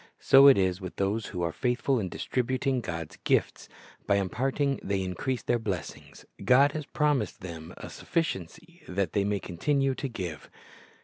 So it is with those who are faithful in distributing God's gifts. By imparting they increase their blessings. God has promised them a suffi ciency that they may continue to give.